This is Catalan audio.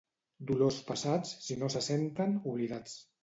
Dolors passats, si no se senten, oblidats.